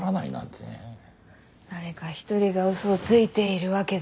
誰か一人が嘘をついているわけだ。